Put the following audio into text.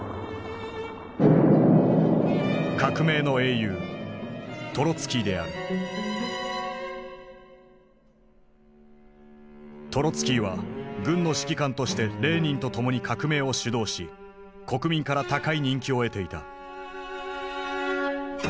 革命の英雄トロツキーは軍の指揮官としてレーニンと共に革命を主導し国民から高い人気を得ていた。